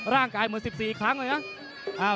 ร่างกายเหมือน๑๔ครั้งเลยนะ